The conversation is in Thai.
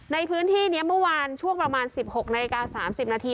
ในพื้นที่นี้เมื่อวานช่วงประมาณ๑๖นาฬิกา๓๐นาที